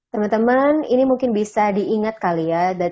teman teman ini mungkin bisa diingat kalian